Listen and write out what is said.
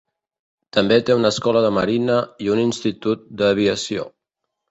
També té una escola de marina i un institut d'aviació.